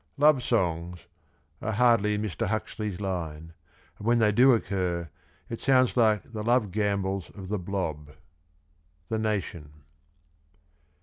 Love songs ... are hardly in Mr. Huxley's line, and when they do occur it sounds like the ' love gambols of the blob.' — The Nation.